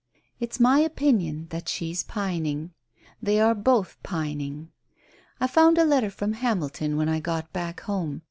It's my opinion that she's pining they are both pining. I found a letter from Hamilton when I got back home.